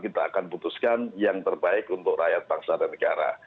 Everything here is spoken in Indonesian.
kita akan putuskan yang terbaik untuk rakyat bangsa dan negara